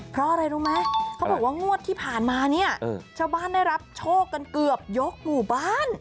เพราะอะไรรู้ไหมเขาบอกว่างวดที่ผ่านมาเนี่ยชาวบ้านได้รับโชคกันเกือบยกหมู่บ้าน